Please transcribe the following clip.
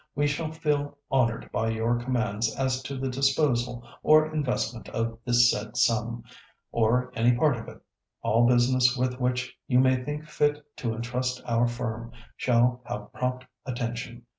We shall feel honoured by your commands as to the disposal or investment of this said sum, or any part of it. All business with which you may think fit to entrust our firm shall have prompt attention.